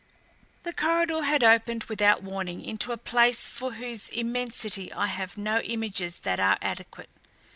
The corridor had opened without warning into a place for whose immensity I have no images that are adequate.